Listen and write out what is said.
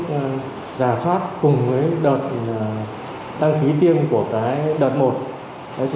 đã giả soát cùng với đợt đăng ký tiêm của cái đợt một